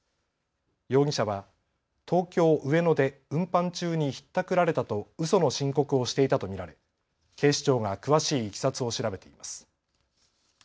容疑者は東京上野で運搬中にひったくられたとうその申告をしていたと見られ警視庁が詳しいいきさつを調べています。